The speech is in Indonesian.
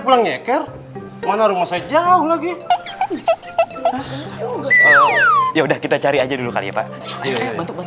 pulang nyeker mana rumah saya jauh lagi ya udah kita cari aja dulu kali ya pak ayo bantu